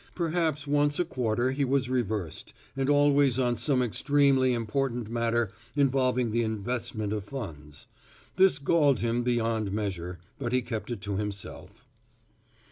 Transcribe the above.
Perhaps once a quarter he was reversed, and always on some extremely important matter involving the investment of funds. This galled him beyond measure, but he kept it to himself.